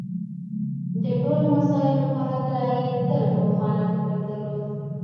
د ټولو مسألو په هکله یې تل روښانه فکر درلود